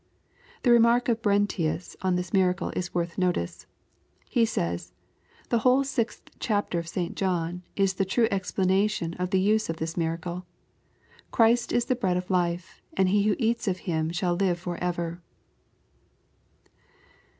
The remark of Brentius on this miracle la worth notice. He says, " the whole sixth chapter of St. John is the true explanation of the use of this miracle. Christ is the bread of life, and he who eats of Him shall live forever."